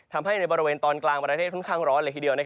ทำให้ในบริเวณตอนกลางประเทศค่อนข้างร้อนเลยทีเดียว